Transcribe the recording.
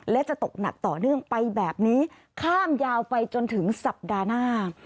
และจะตกหนักต่อเนื่องไปแบบนี้ข้ามยาวไปจนถึงสัปดาห์หน้า